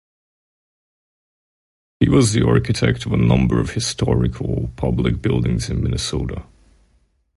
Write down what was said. He was the architect of a number of historical public buildings in Minnesota.